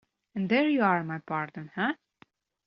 And there you are, my partner, eh?